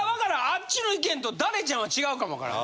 あっちの意見とダレちゃんは違うかもわからん。